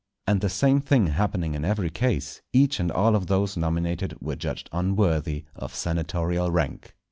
And the same thing happening in every case, each and all of those nominated were judged unworthy of senatorial rank.